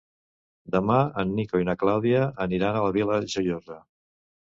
Demà en Nico i na Clàudia aniran a la Vila Joiosa.